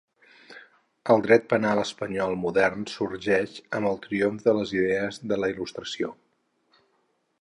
El dret penal espanyol modern sorgeix amb el triomf de les idees de la Il·lustració.